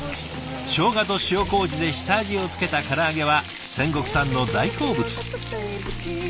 しょうがと塩麹で下味を付けたから揚げは仙石さんの大好物。